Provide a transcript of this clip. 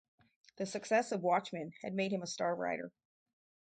The success of "Watchmen" had made him a star writer.